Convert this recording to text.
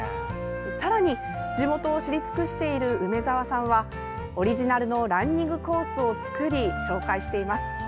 さらに地元を知り尽くしている梅澤さんはオリジナルのランニングコースを作り、紹介しています。